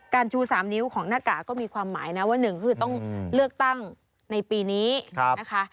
ชู๓นิ้วของหน้ากากก็มีความหมายนะว่าหนึ่งคือต้องเลือกตั้งในปีนี้นะคะ